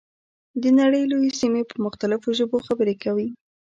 د نړۍ لویې سیمې په مختلفو ژبو خبرې کوي.